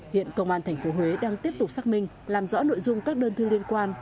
hiện công an tp huế đang tiếp tục xác minh làm rõ nội dung các đơn thư liên quan